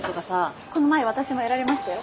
この前私もやられましたよ